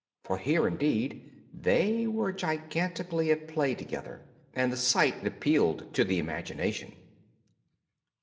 For here, indeed, they were gigantically at play together, and the sight appealed to the imagination.